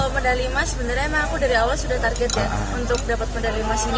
medali emas sebenarnya emang aku dari awal sudah target ya untuk dapat medali emas ini